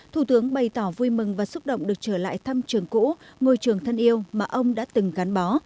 thủ tướng bày tỏ vui mừng và xúc động được trở lại thăm trường cũ ngôi trường thân yêu mà ông đã từng gắn bó